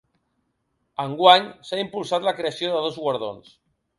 Enguany, s’ha impulsat la creació de dos guardons.